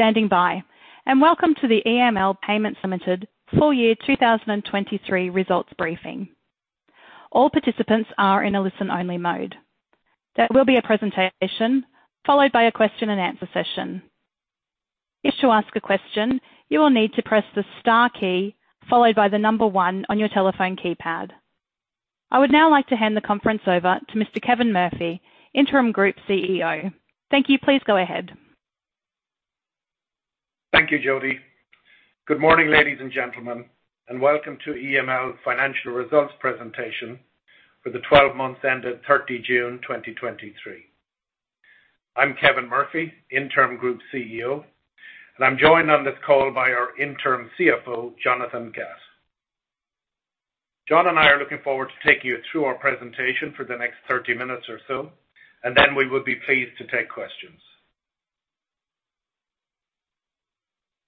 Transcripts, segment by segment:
Thank you for standing by, and welcome to the EML Payments Limited Full Year 2023 Results Briefing. All participants are in a listen-only mode. There will be a presentation followed by a question-and-answer session. If you wish to ask a question, you will need to press the star key, followed by the number one on your telephone keypad. I would now like to hand the conference over to Mr. Kevin Murphy, Interim Group CEO. Thank you. Please go ahead. Thank you, Jody. Good morning, ladies and gentlemen, and welcome to EML Financial Results presentation for the 12 months ended June 30, 2023. I'm Kevin Murphy, Interim Group CEO, and I'm joined on this call by our Interim CFO, Jonathan Gatt. Jon and I are looking forward to taking you through our presentation for the next 30 minutes or so, and then we will be pleased to take questions.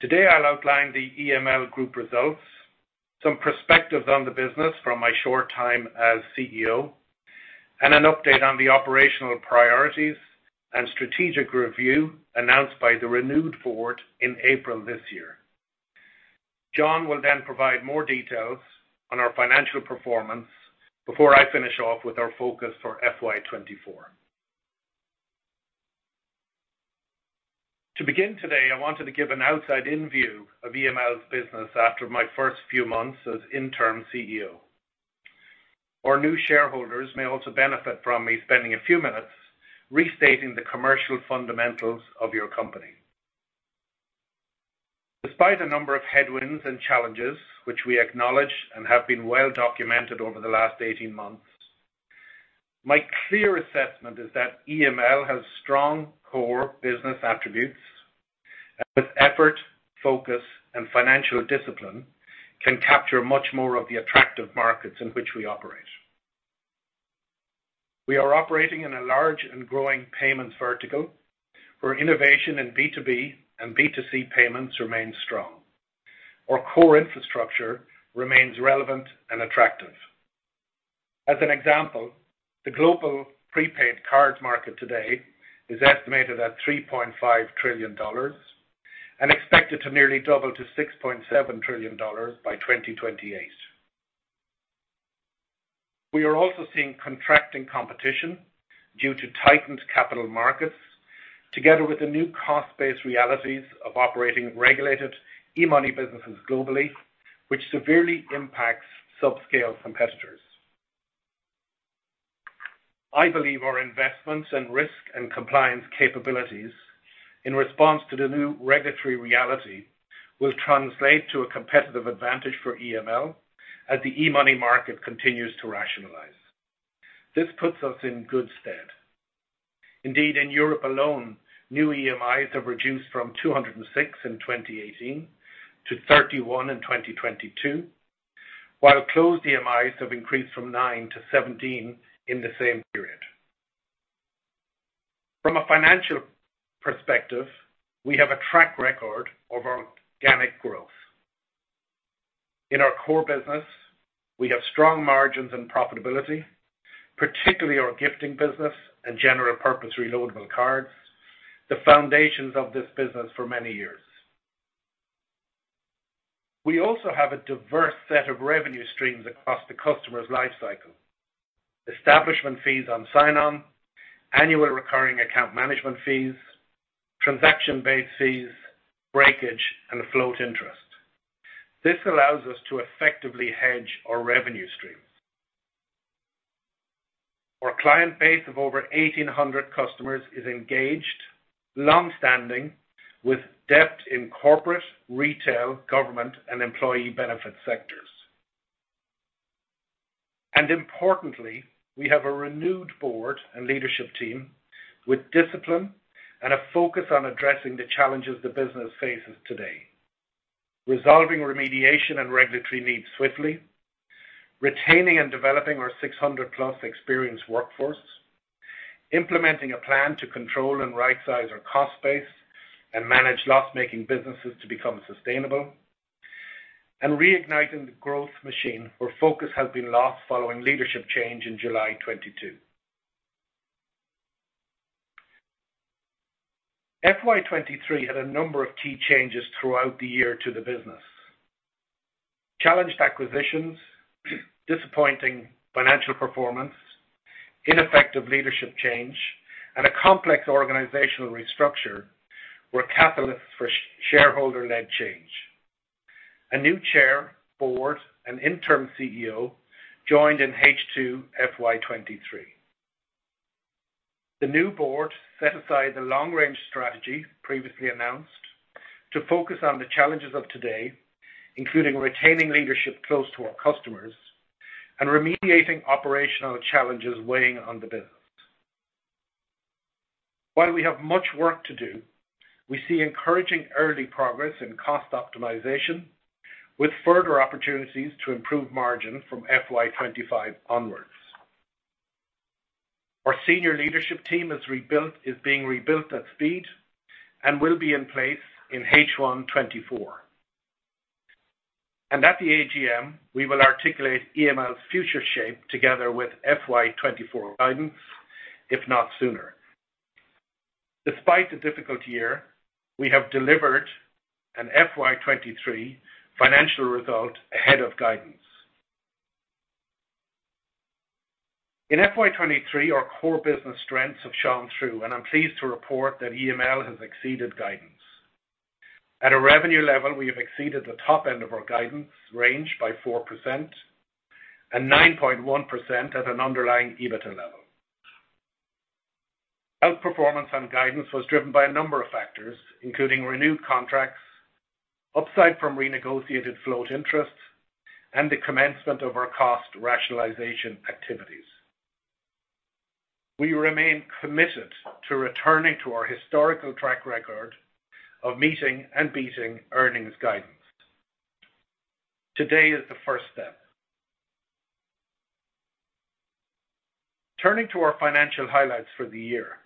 Today, I'll outline the EML group results, some perspectives on the business from my short time as CEO, and an update on the operational priorities and strategic review announced by the renewed board in April this year. Jon will then provide more details on our financial performance before I finish off with our focus for FY 2024. To begin today, I wanted to give an outside-in view of EML's business after my first few months as Interim CEO. Our new shareholders may also benefit from me spending a few minutes restating the commercial fundamentals of your company. Despite a number of headwinds and challenges, which we acknowledge and have been well-documented over the last 18 months, my clear assessment is that EML has strong core business attributes, and with effort, focus, and financial discipline, can capture much more of the attractive markets in which we operate. We are operating in a large and growing payments vertical, where innovation in B2B and B2C payments remains strong. Our core infrastructure remains relevant and attractive. As an example, the global prepaid card market today is estimated at $3.5 trillion and expected to nearly double to $6.7 trillion by 2028. We are also seeing contracting competition due to tightened capital markets, together with the new cost-based realities of operating regulated e-money businesses globally, which severely impacts subscale competitors. I believe our investments and risk and compliance capabilities in response to the new regulatory reality will translate to a competitive advantage for EML as the e-money market continues to rationalize. This puts us in good stead. Indeed, in Europe alone, new EMIs have reduced from 206 in 2018 to 31 in 2022, while closed EMIs have increased from nine to 17 in the same period. From a financial perspective, we have a track record of organic growth. In our core business, we have strong margins and profitability, particularly our gifting business and general purpose reloadable cards, the foundations of this business for many years. We also have a diverse set of revenue streams across the customer's life cycle. Establishment fees on sign-on, annual recurring account management fees, transaction-based fees, breakage, and float interest. This allows us to effectively hedge our revenue streams. Our client base of over 1,800 customers is engaged, long-standing, with depth in corporate, retail, government, and employee benefit sectors. And importantly, we have a renewed board and leadership team with discipline and a focus on addressing the challenges the business faces today. Resolving remediation and regulatory needs swiftly, retaining and developing our 600+ experienced workforce, implementing a plan to control and rightsize our cost base and manage loss-making businesses to become sustainable, and reigniting the growth machine, where focus has been lost following leadership change in July 2022. FY 2023 had a number of key changes throughout the year to the business. Challenged acquisitions, disappointing financial performance, ineffective leadership change, and a complex organizational restructure were catalysts for shareholder-led change. A new chair, board, and interim CEO joined in H2 FY 2023. The new board set aside the long-range strategy previously announced to focus on the challenges of today, including retaining leadership close to our customers and remediating operational challenges weighing on the business. While we have much work to do, we see encouraging early progress in cost optimization, with further opportunities to improve margin from FY 2025 onwards. Our senior leadership team is being rebuilt at speed and will be in place in H1 2024. And at the AGM, we will articulate EML's future shape together with FY 2024 guidance, if not sooner. Despite the difficult year, we have delivered an FY 2023 financial result ahead of guidance. In FY 2023, our core business strengths have shone through, and I'm pleased to report that EML has exceeded guidance. At a revenue level, we have exceeded the top end of our guidance range by 4% and 9.1% at an underlying EBITDA level. Outperformance on guidance was driven by a number of factors, including renewed contracts, upside from renegotiated float interests, and the commencement of our cost rationalization activities. We remain committed to returning to our historical track record of meeting and beating earnings guidance. Today is the first step. Turning to our financial highlights for the year.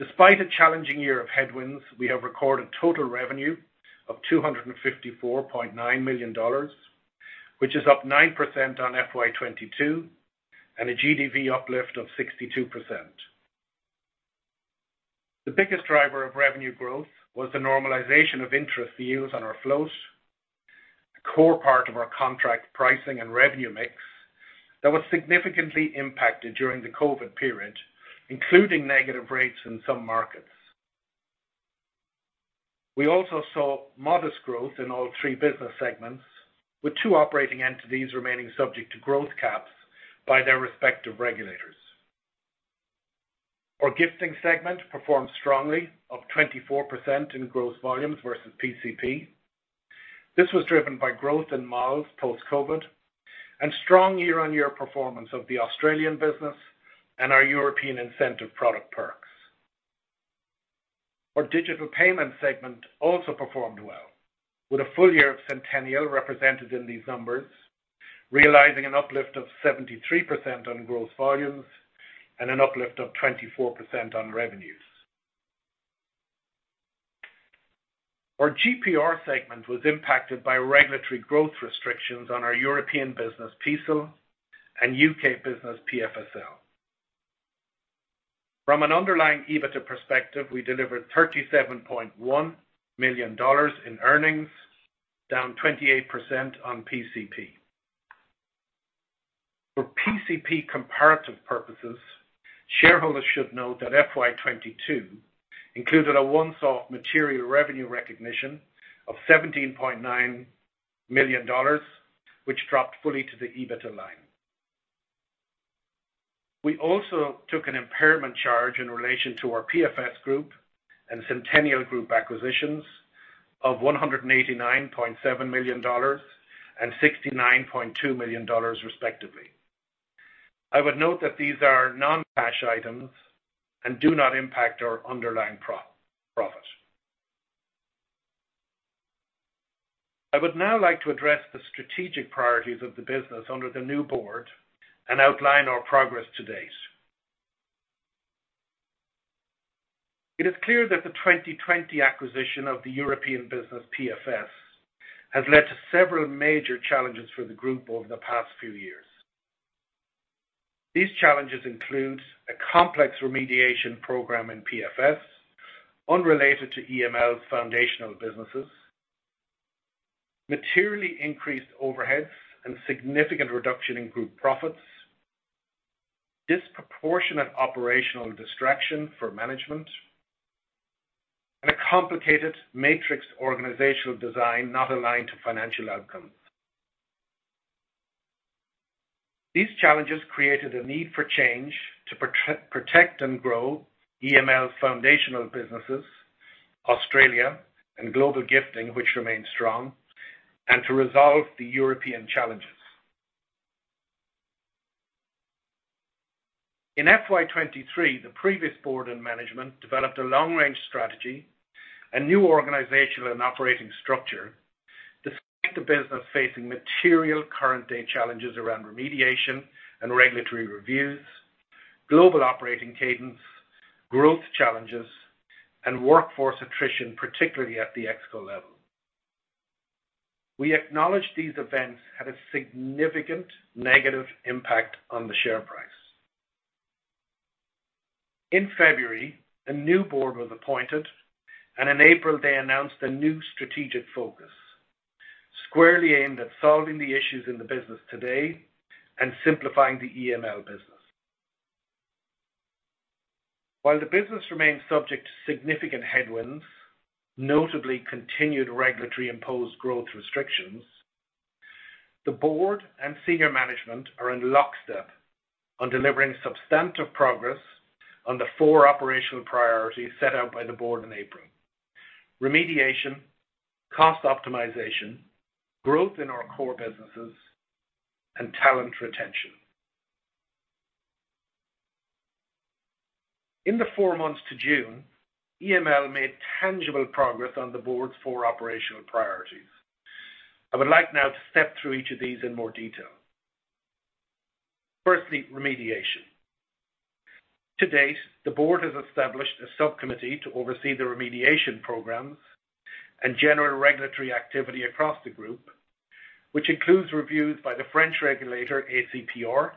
Despite a challenging year of headwinds, we have recorded total revenue of 254.9 million dollars, which is up 9% on FY 2022 and a GDV uplift of 62%. The biggest driver of revenue growth was the normalization of interest yields on our float, a core part of our contract pricing and revenue mix that was significantly impacted during the COVID period, including negative rates in some markets. We also saw modest growth in all three business segments, with two operating entities remaining subject to growth caps by their respective regulators. Our gifting segment performed strongly, up 24% in growth volumes versus PCP. This was driven by growth in malls post-COVID and strong year-on-year performance of the Australian business and our European incentive product Perks. Our digital payment segment also performed well, with a full year of Sentenial represented in these numbers, realizing an uplift of 73% on growth volumes and an uplift of 24% on revenues. Our GPR segment was impacted by regulatory growth restrictions on our European business, PCSIL, and U.K. business, PFSL. From an underlying EBITDA perspective, we delivered 37.1 million dollars in earnings, down 28% on PCP. For PCP comparative purposes, shareholders should note that FY 2022 included a once-off material revenue recognition of 17.9 million dollars, which dropped fully to the EBITDA line. We also took an impairment charge in relation to our PFS Group and Sentenial Group acquisitions of 189.7 million dollars and 69.2 million dollars, respectively. I would note that these are non-cash items and do not impact our underlying profit. I would now like to address the strategic priorities of the business under the new board and outline our progress to date. It is clear that the 2020 acquisition of the European business, PFS, has led to several major challenges for the group over the past few years. These challenges include a complex remediation program in PFS, unrelated to EML's foundational businesses, materially increased overheads and significant reduction in group profits, disproportionate operational distraction for management, and a complicated matrix organizational design not aligned to financial outcomes. These challenges created a need for change to protect and grow EML's foundational businesses, Australia and global gifting, which remains strong, and to resolve the European challenges. In FY 2023, the previous board and management developed a long-range strategy, a new organizational and operating structure, despite the business facing material current day challenges around remediation and regulatory reviews, global operating cadence, growth challenges, and workforce attrition, particularly at the ExCo level. We acknowledge these events had a significant negative impact on the share price. In February, a new board was appointed, and in April, they announced a new strategic focus, squarely aimed at solving the issues in the business today and simplifying the EML business. While the business remains subject to significant headwinds, notably continued regulatory imposed growth restrictions, the board and senior management are in lockstep on delivering substantive progress on the four operational priorities set out by the board in April: remediation, cost optimization, growth in our core businesses, and talent retention. In the four months to June, EML made tangible progress on the board's four operational priorities. I would like now to step through each of these in more detail. Firstly, remediation. To date, the board has established a subcommittee to oversee the remediation programs and general regulatory activity across the group, which includes reviews by the French regulator, ACPR,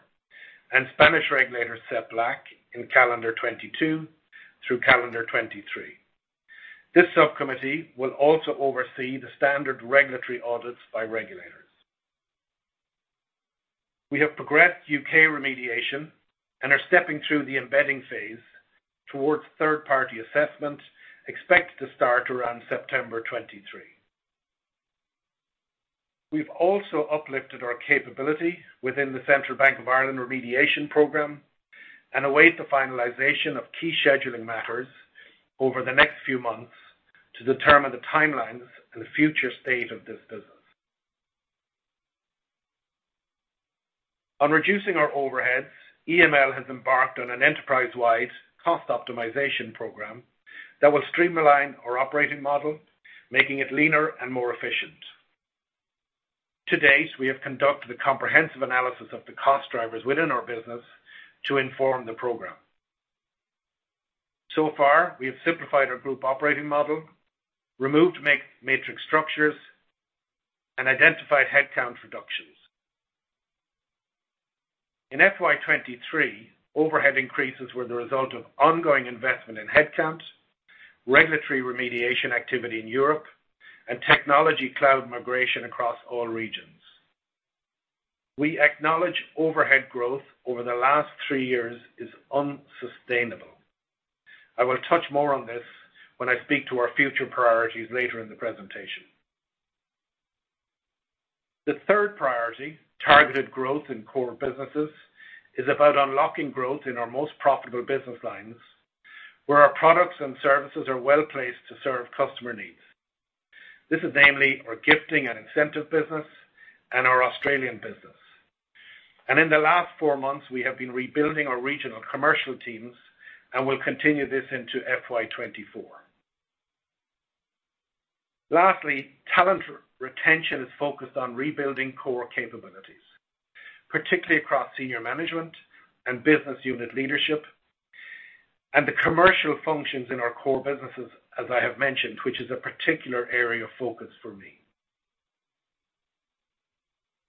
and Spanish regulator, Sepblac, in calendar 2022 through calendar 2023. This subcommittee will also oversee the standard regulatory audits by regulators. We have progressed U.K. remediation and are stepping through the embedding phase towards third-party assessment, expected to start around September 2023. We've also uplifted our capability within the Central Bank of Ireland remediation program and await the finalization of key scheduling matters over the next few months to determine the timelines and future state of this business. On reducing our overheads, EML has embarked on an enterprise-wide cost optimization program that will streamline our operating model, making it leaner and more efficient. To date, we have conducted a comprehensive analysis of the cost drivers within our business to inform the program. So far, we have simplified our group operating model, removed matrix structures, and identified headcount reductions. In FY 2023, overhead increases were the result of ongoing investment in headcount, regulatory remediation activity in Europe, and technology cloud migration across all regions. We acknowledge overhead growth over the last three years is unsustainable. I will touch more on this when I speak to our future priorities later in the presentation. The third priority, targeted growth in core businesses, is about unlocking growth in our most profitable business lines, where our products and services are well placed to serve customer needs. This is namely our gifting and incentive business and our Australian business. In the last four months, we have been rebuilding our regional commercial teams and will continue this into FY 2024. Lastly, talent retention is focused on rebuilding core capabilities, particularly across senior management and business unit leadership, and the commercial functions in our core businesses, as I have mentioned, which is a particular area of focus for me.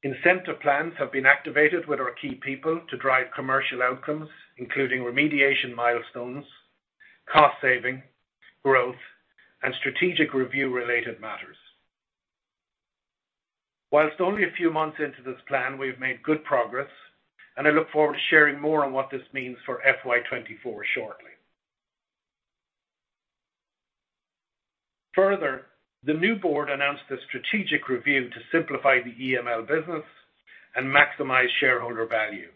Incentive plans have been activated with our key people to drive commercial outcomes, including remediation milestones, cost saving, growth, and strategic review-related matters. Whilst only a few months into this plan, we've made good progress, and I look forward to sharing more on what this means for FY 2024 shortly. Further, the new board announced a strategic review to simplify the EML business and maximize shareholder value.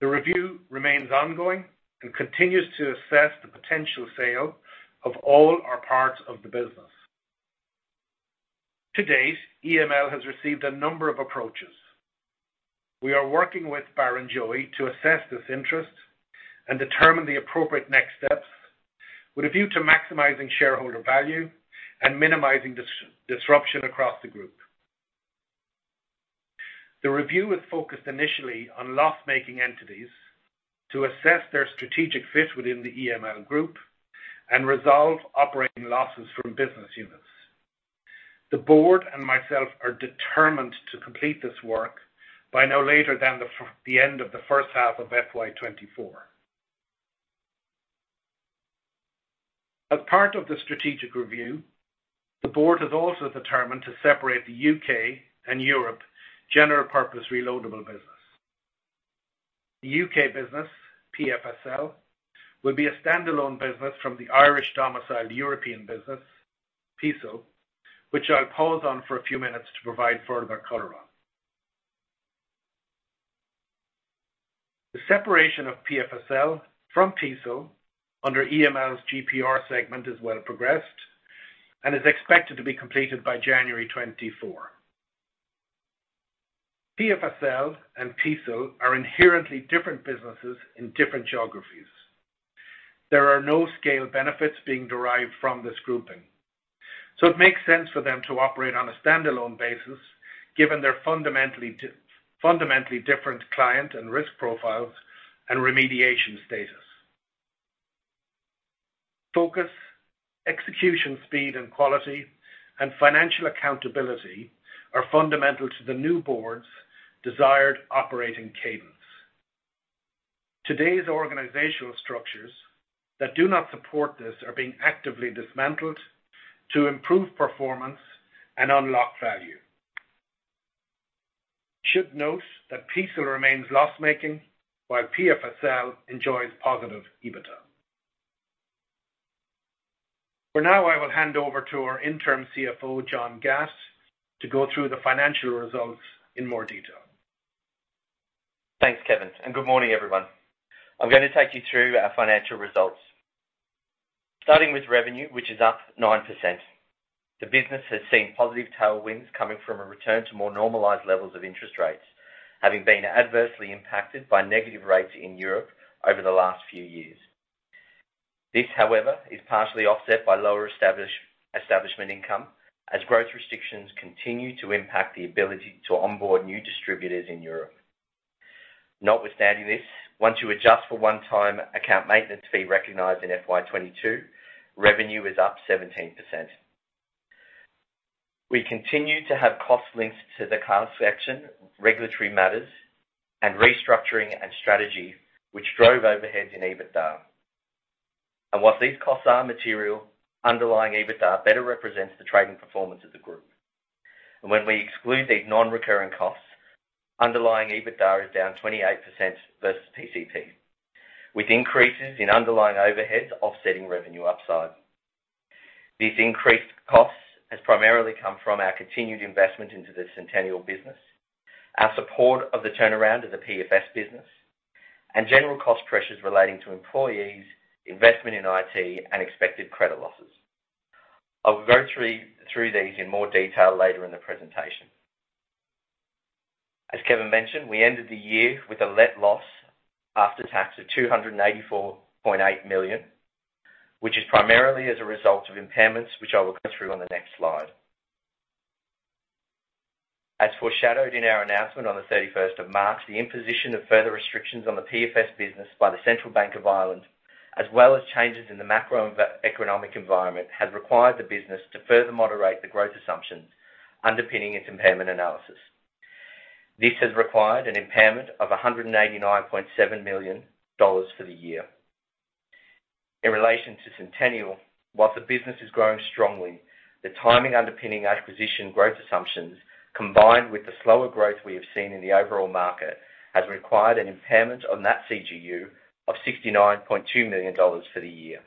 The review remains ongoing and continues to assess the potential sale of all our parts of the business. To date, EML has received a number of approaches. We are working with Barrenjoey to assess this interest and determine the appropriate next steps with a view to maximizing shareholder value and minimizing disruption across the group. The review is focused initially on loss-making entities to assess their strategic fit within the EML group and resolve operating losses from business units. The board and myself are determined to complete this work by no later than the end of the first half of FY 2024. As part of the strategic review, the board has also determined to separate the U.K. and Europe general purpose reloadable business. The U.K. business, PFSL, will be a standalone business from the Irish-domiciled European business, PCSIL, which I'll pause on for a few minutes to provide further color on. The separation of PFSL from PCSIL under EML's GPR segment is well progressed and is expected to be completed by January 2024. PFSL and PCSIL are inherently different businesses in different geographies. There are no scale benefits being derived from this grouping, so it makes sense for them to operate on a standalone basis, given their fundamentally different client and risk profiles and remediation status. Focus, execution speed and quality, and financial accountability are fundamental to the new board's desired operating cadence. Today's organizational structures that do not support this are being actively dismantled to improve performance and unlock value. Should note that PCSIL remains loss-making, while PFSL enjoys positive EBITDA. For now, I will hand over to our Interim CFO, Jonathan Gatt, to go through the financial results in more detail. Thanks, Kevin, and good morning, everyone. I'm going to take you through our financial results. Starting with revenue, which is up 9%. The business has seen positive tailwinds coming from a return to more normalized levels of interest rates, having been adversely impacted by negative rates in Europe over the last few years. This, however, is partially offset by lower establishment income, as growth restrictions continue to impact the ability to onboard new distributors in Europe. Notwithstanding this, once you adjust for one-time account maintenance fee recognized in FY 2022, revenue is up 17%. We continue to have costs linked to the class action, regulatory matters, and restructuring and strategy, which drove overheads in EBITDA. And while these costs are material, underlying EBITDA better represents the trading performance of the group. When we exclude these non-recurring costs, underlying EBITDA is down 28% versus PCP, with increases in underlying overheads offsetting revenue upside. These increased costs has primarily come from our continued investment into the Sentenial business, our support of the turnaround of the PFS business, and general cost pressures relating to employees, investment in IT, and expected credit losses. I'll go through, through these in more detail later in the presentation. As Kevin mentioned, we ended the year with a net loss after tax of 284.8 million, which is primarily as a result of impairments, which I will go through on the next slide. As foreshadowed in our announcement on the thirty-first of March, the imposition of further restrictions on the PFS business by the Central Bank of Ireland, as well as changes in the macroeconomic environment, has required the business to further moderate the growth assumptions underpinning its impairment analysis. This has required an impairment of 189.7 million dollars for the year. In relation to Sentenial, while the business is growing strongly, the timing underpinning acquisition growth assumptions, combined with the slower growth we have seen in the overall market, has required an impairment on that CGU of 69.2 million dollars for the year.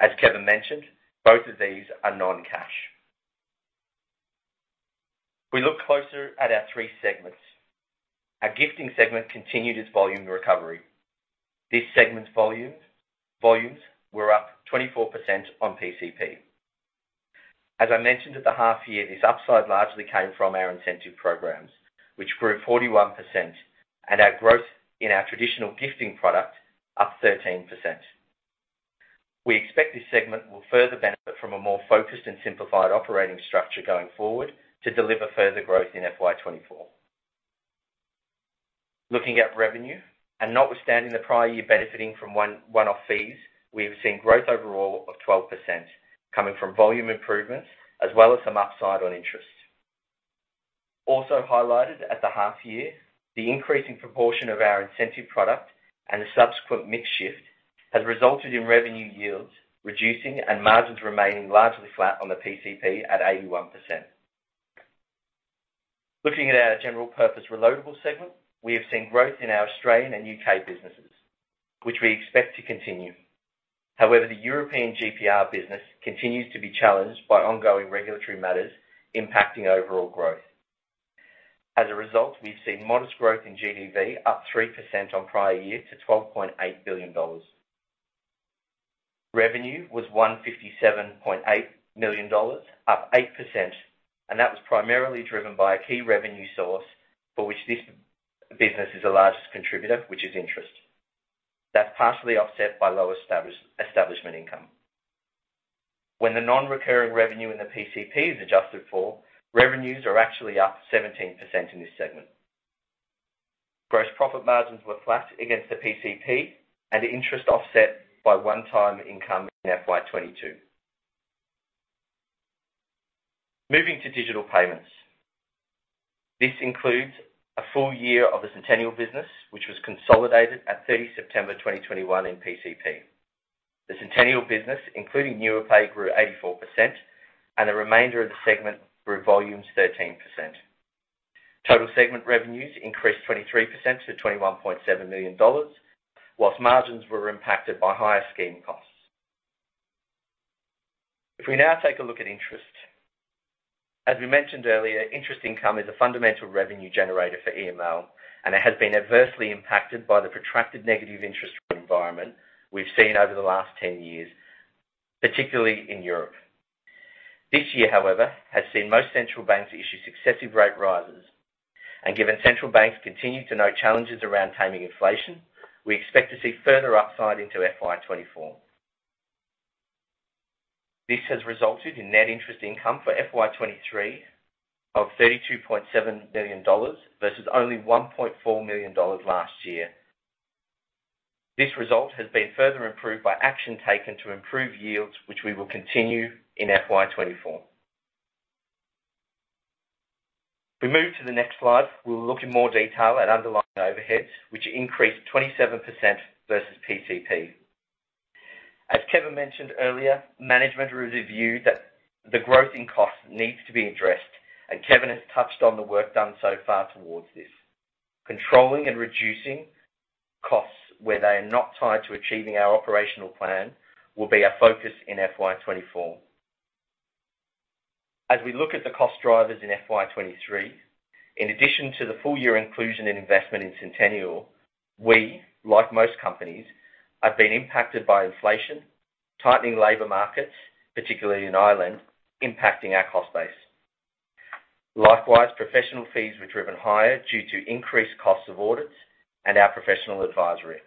As Kevin mentioned, both of these are non-cash. We look closer at our three segments. Our gifting segment continued its volume recovery. This segment's volumes were up 24% on PCP. As I mentioned at the half year, this upside largely came from our incentive programs, which grew 41%, and our growth in our traditional gifting product, up 13%. We expect this segment will further benefit from a more focused and simplified operating structure going forward to deliver further growth in FY 2024. Looking at revenue, and notwithstanding the prior year benefiting from one-off fees, we have seen growth overall of 12% coming from volume improvements, as well as some upside on interest. Also highlighted at the half year, the increasing proportion of our incentive product and the subsequent mix shift, has resulted in revenue yields reducing and margins remaining largely flat on the PCP at 81%. Looking at our general-purpose reloadable segment, we have seen growth in our Australian and UK businesses, which we expect to continue. However, the European GPR business continues to be challenged by ongoing regulatory matters impacting overall growth. As a result, we've seen modest growth in GDV, up 3% on prior year to 12.8 billion dollars. Revenue was 157.8 million dollars, up 8%, and that was primarily driven by a key revenue source for which this business is the largest contributor, which is interest. That's partially offset by lower establishment income. When the non-recurring revenue in the PCP is adjusted for, revenues are actually up 17% in this segment. Gross profit margins were flat against the PCP and interest offset by one-time income in FY 2022. Moving to digital payments. This includes a full year of the Sentenial business, which was consolidated at 30 September 2021 in PCP. The Sentenial business, including Nuapay, grew 84%, and the remainder of the segment grew volumes 13%. Total segment revenues increased 23% to 21.7 million dollars, while margins were impacted by higher scheme costs. If we now take a look at interest. As we mentioned earlier, interest income is a fundamental revenue generator for EML, and it has been adversely impacted by the protracted negative interest rate environment we've seen over the last 10 years, particularly in Europe. This year, however, has seen most central banks issue successive rate rises, and given central banks continue to note challenges around taming inflation, we expect to see further upside into FY 2024. This has resulted in net interest income for FY 2023 of AUD 32.7 million, versus only AUD 1.4 million last year. This result has been further improved by action taken to improve yields, which we will continue in FY 2024. If we move to the next slide, we'll look in more detail at underlying overheads, which increased 27% versus PCP. As Kevin mentioned earlier, management reviewed that the growth in costs needs to be addressed, and Kevin has touched on the work done so far towards this. Controlling and reducing costs where they are not tied to achieving our operational plan, will be our focus in FY 2024. As we look at the cost drivers in FY 2023, in addition to the full year inclusion and investment in Sentenial, we, like most companies, have been impacted by inflation, tightening labor markets, particularly in Ireland, impacting our cost base. Likewise, professional fees were driven higher due to increased costs of audits and our professional advisory.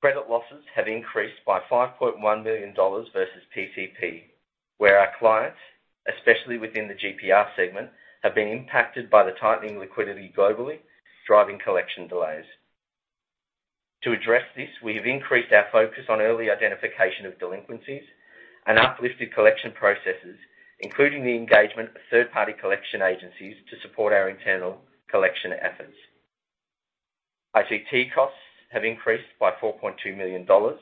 Credit losses have increased by 5.1 million dollars versus PCP, where our clients, especially within the GPR segment, have been impacted by the tightening liquidity globally, driving collection delays. To address this, we have increased our focus on early identification of delinquencies and uplifted collection processes, including the engagement of third-party collection agencies to support our internal collection efforts. ICT costs have increased by 4.2 million dollars,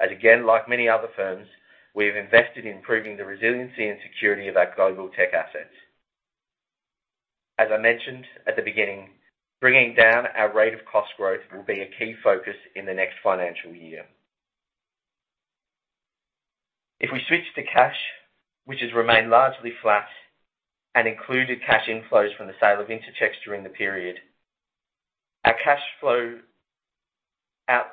as again, like many other firms, we have invested in improving the resiliency and security of our global tech assets. As I mentioned at the beginning, bringing down our rate of cost growth will be a key focus in the next financial year. If we switch to cash, which has remained largely flat and included cash inflows from the sale of Intertex during the period, our cash flow out,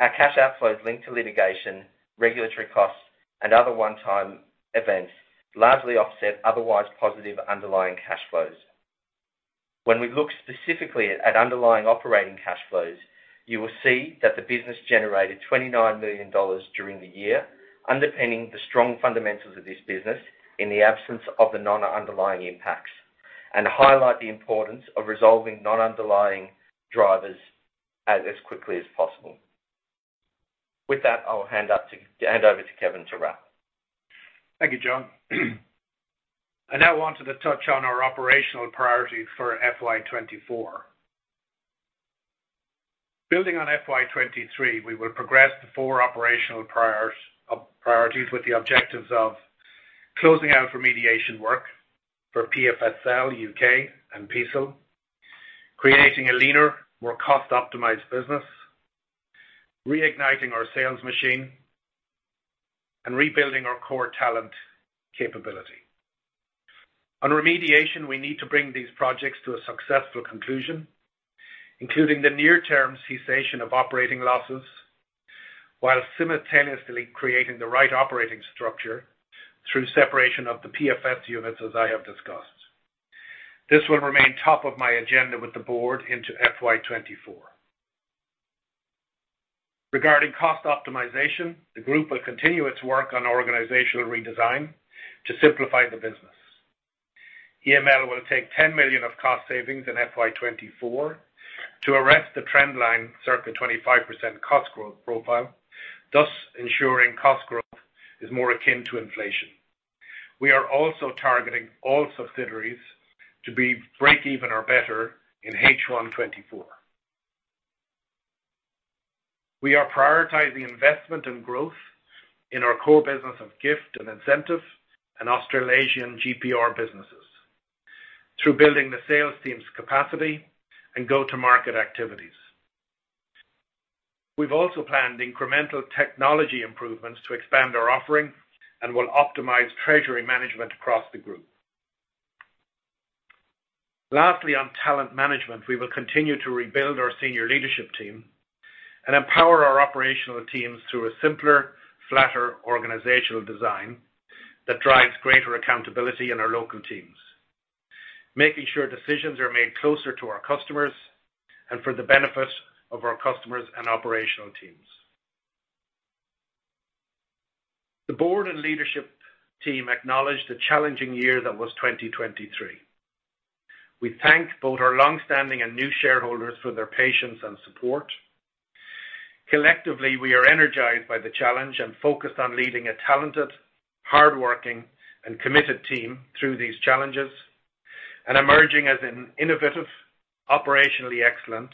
our cash outflows linked to litigation, regulatory costs, and other one-time events largely offset otherwise positive underlying cash flows. When we look specifically at underlying operating cash flows, you will see that the business generated 29 million dollars during the year, underpinning the strong fundamentals of this business in the absence of the non-underlying impacts, and highlight the importance of resolving non-underlying drivers as quickly as possible. With that, I'll hand over to Kevin to wrap. Thank you, Jon. I now wanted to touch on our operational priorities for FY 2024. Building on FY 2023, we will progress the four operational priorities with the objectives of closing out remediation work for PFSL, U.K., and PCSIL. Creating a leaner, more cost-optimized business. Reigniting our sales machine. Rebuilding our core talent capability. On remediation, we need to bring these projects to a successful conclusion, including the near-term cessation of operating losses, while simultaneously creating the right operating structure through separation of the PFS units, as I have discussed. This will remain top of my agenda with the board into FY 2024. Regarding cost optimization, the group will continue its work on organizational redesign to simplify the business. EML will take 10 million of cost savings in FY 2024 to arrest the trend line, circa 25% cost growth profile, thus ensuring cost growth is more akin to inflation. We are also targeting all subsidiaries to be breakeven or better in H1 2024. We are prioritizing investment and growth in our core business of gift and incentive and Australasian GPR businesses through building the sales team's capacity and go-to-market activities. We've also planned incremental technology improvements to expand our offering and will optimize treasury management across the group. Lastly, on talent management, we will continue to rebuild our senior leadership team and empower our operational teams through a simpler, flatter organizational design that drives greater accountability in our local teams. Making sure decisions are made closer to our customers and for the benefit of our customers and operational teams. The board and leadership team acknowledge the challenging year that was 2023. We thank both our long-standing and new shareholders for their patience and support. Collectively, we are energized by the challenge and focused on leading a talented, hardworking, and committed team through these challenges, and emerging as an innovative, operationally excellent,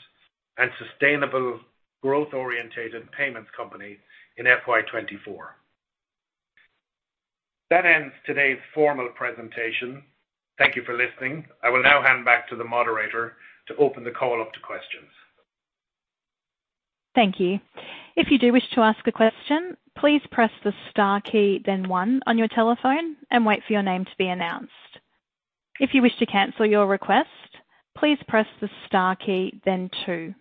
and sustainable growth-orientated payments company in FY 2024. That ends today's formal presentation. Thank you for listening. I will now hand back to the moderator to open the call up to questions. Thank you. If you do wish to ask a question, please press the star key, then one on your telephone and wait for your name to be announced. If you wish to cancel your request, please press the star key, then two.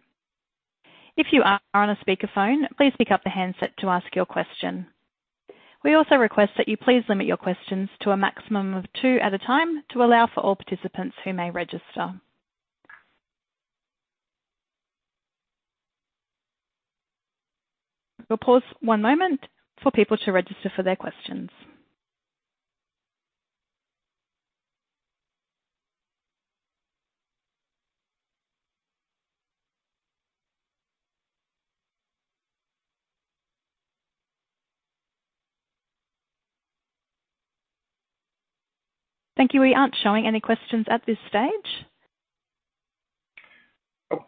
If you are on a speakerphone, please pick up the handset to ask your question. We also request that you please limit your questions to a maximum of two at a time to allow for all participants who may register. We'll pause one moment for people to register for their questions. Thank you. We aren't showing any questions at this stage. Oh,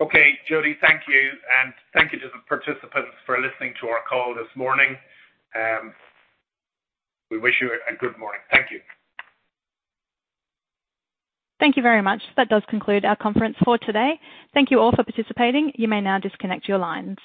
okay, Jody, thank you, and thank you to the participants for listening to our call this morning. We wish you a good morning. Thank you. Thank you very much. That does conclude our conference for today. Thank you all for participating. You may now disconnect your lines.